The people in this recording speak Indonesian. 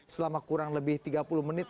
selama kurang lebih tiga puluh menit